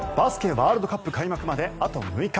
ワールドカップ開幕まであと６日。